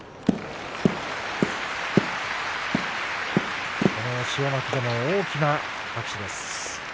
拍手この塩まきでも大きな拍手です。